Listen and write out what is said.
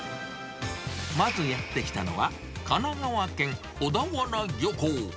まずやって来たのは、神奈川県小田原漁港。